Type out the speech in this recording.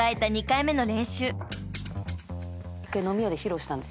２回目の練習］